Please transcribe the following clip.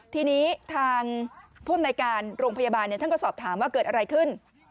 ทีนี้ทางผู้อำนวยการโรงพยาบาลท่านก็สอบถามว่าเกิดอะไรขึ้น